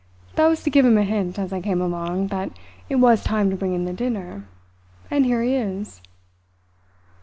That was to give him a hint, as I came along, that it was time to bring in the dinner; and here it is."